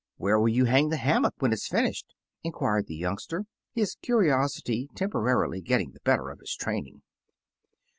Where will you hang the hammock when it is finished?" inquired the young ster, his curiosity temporarily getting the better of his training.